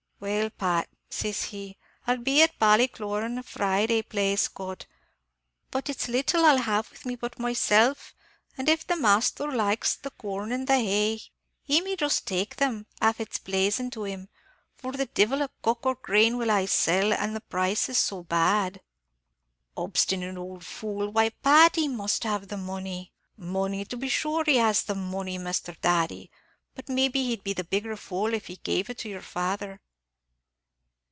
'Well, Pat,' sis he, 'I'll be at Ballycloran o' Friday, plase God, but it's little I'll have with me but myself; an' if the masthur likes the corn an' the hay, he may just take them av' it's plazin' to him, for the divil a cock or grain will I sell, an' the prices so bad.'" "Obstinate ould fool! why, Pat, he must have the money." "Money, to be shure he has the money, Misthur Thady; but maybe he'd be the bigger fool if he gave it to your father."